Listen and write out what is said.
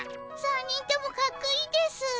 ３人ともかっこいいですぅ。